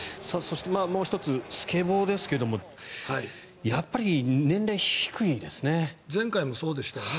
もう１つスケボーですけどもやっぱり年齢低いですね。